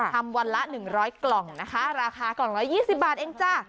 วันละ๑๐๐กล่องนะคะราคากล่อง๑๒๐บาทเองจ้ะ